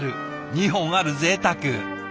２本あるぜいたく。